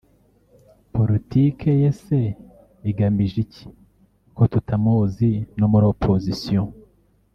politique ye se igamije iki ko tutamuzi no muri opposition